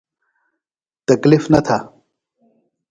تکلیف نہ بھہ۔